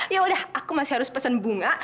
yaudah aku masih harus pesen bunga